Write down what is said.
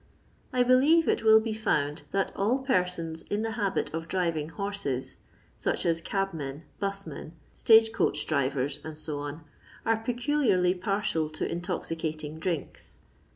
I believe it will be found that all persons in the habit of drinng horses, such as cabmen, 'busmen, stage coach driyers, &e., are peculiarly partial to in toxicating drinks.